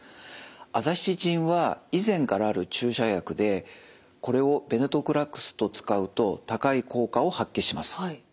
アザシチジンは以前からある注射薬でこれをベネトクラクスと使うと高い効果を発揮します。